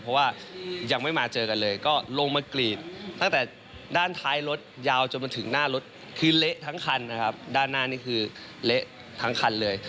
เพราะว่ายังไม่มาเจอกันเลยก็ลงมากรีดตั้งแต่ด้านท้ายรถยาวจนมาถึงหน้ารถคือเละทั้งคันนะครับด้านหน้านี่คือเละทั้งคันเลย